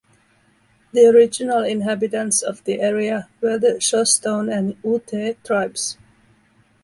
The original inhabitants of the area were the Shoshone and Ute tribes.